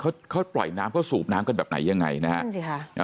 เขาเขาปล่อยน้ำเขาสูบน้ำกันแบบไหนยังไงนะฮะนั่นสิค่ะอ่า